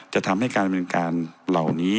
จะทำให้การดำเนินการเหล่านี้